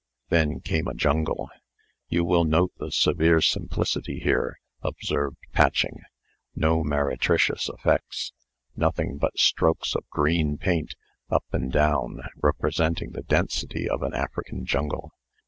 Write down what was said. Then came a jungle. "You will note the severe simplicity here," observed Patching, "No meretricious effects. Nothing but strokes of green paint, up and down, representing the density of an African jungle.